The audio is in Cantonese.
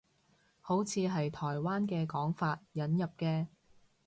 好似係台灣嘅講法，引入嘅